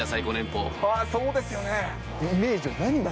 そうですよね。